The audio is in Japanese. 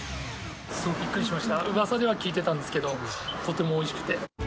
すごくびっくりしました、うわさには聞いてたんですけど、とてもおいしくて。